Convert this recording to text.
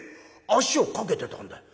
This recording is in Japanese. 足をかけてたんだよ。